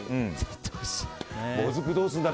もずく、どうするんだろ。